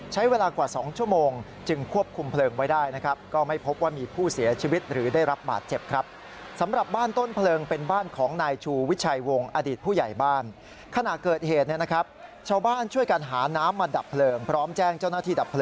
ใช้เวลากว่า๒ชั่วโมงจึงควบคุมเผลิงไว้ได้นะครับ